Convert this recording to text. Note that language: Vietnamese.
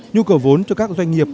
nhu cầu vốn cho các doanh nghiệp